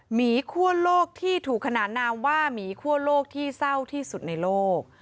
หมีคั่วโลกที่ถูกขนานนามว่าหมีคั่วโลกที่เศร้าที่สุดในโลก